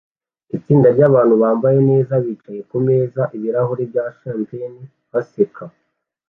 Itsinda ryabantu bambaye neza bicaye kumeza ibirahuri bya champagne baseka